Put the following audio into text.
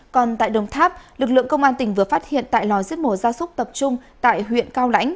còn tại đồng tháp lực lượng công an tỉnh vừa phát hiện tại lò giết mổ ra súc tập trung tại huyện cao lãnh